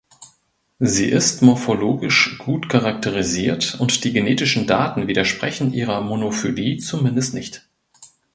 Sie ist morphologisch gut charakterisiert und die genetischen Daten widersprechen ihrer Monophylie zumindest nicht.